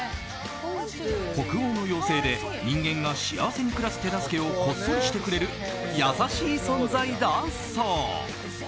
北欧の妖精で人間が幸せに暮らす手助けをこっそりしてくれる優しい存在だそう。